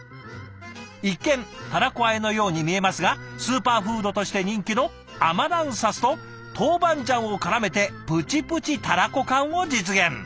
一見たらこ和えのように見えますがスーパーフードとして人気のアマランサスとトウバンジャンをからめてプチプチたらこ感を実現！